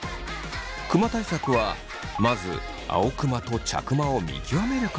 クマ対策はまず青クマと茶クマを見極めること。